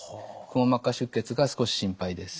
くも膜下出血が少し心配です。